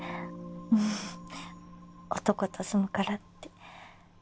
ふふっ男と住むからって。